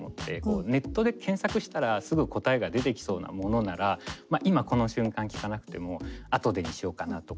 ネットで検索したらすぐ答えが出てきそうなものなら今この瞬間聞かなくても「あとで」にしようかなとか。